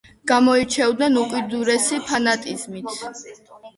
გამოირჩეოდნენ უკიდურესი ფანატიზმით.